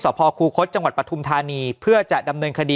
สคูรครูคทจปทุมทานี